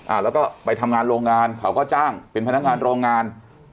อ่าแล้วก็ไปทำงานโรงงานเขาก็จ้างเป็นพนักงานโรงงาน